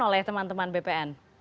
oleh teman teman bpr